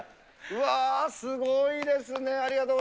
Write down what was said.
うわー、すごいですね。